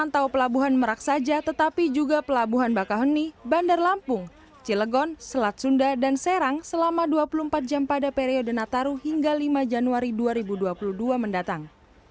tapi juga pelabuhan bakahoni bandar lampung cilegon selat sunda dan serang selama dua puluh empat jam pada periode nataru hingga lima januari dua ribu dua puluh dua mendatang